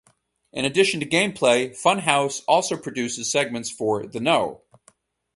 In addition to gameplay, Funhaus also produces segments for The Know.